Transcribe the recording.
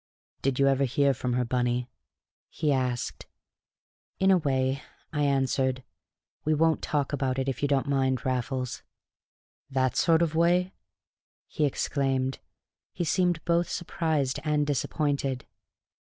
"Did you ever hear from her, Bunny?" he asked. "In a way," I answered. "We won't talk about it, if you don't mind, Raffles." "That sort of way!" he exclaimed. He seemed both surprised and disappointed.